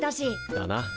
だな。